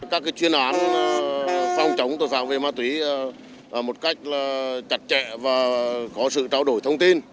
các chuyên án phòng chống tội phạm về ma túy một cách chặt chẽ và có sự trao đổi thông tin